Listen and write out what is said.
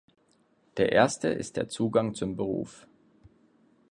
Der erste ist der Zugang zum Beruf.